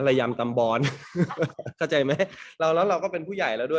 ยำตำบอนเข้าใจไหมเราแล้วเราก็เป็นผู้ใหญ่แล้วด้วย